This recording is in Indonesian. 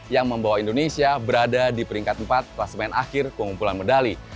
yang membawa indonesia berada di peringkat empat kelas main akhir pengumpulan medali